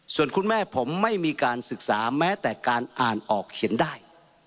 ส่วนคุณแม่ผมไม่มีการศึกษาแม้แต่การอ่านออกเขียนได้